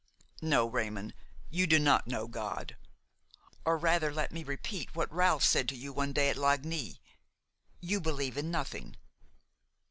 No, Raymon, you do not know God; or rather let me repeat what Ralph said to you one day at Lagny: you believe in nothing.